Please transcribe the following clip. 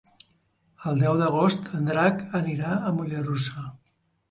El deu d'agost en Drac anirà a Mollerussa.